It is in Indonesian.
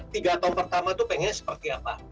tiga tahun pertama itu pengennya seperti apa